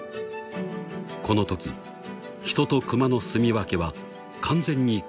［このとき人とクマの棲み分けは完全に崩れていた］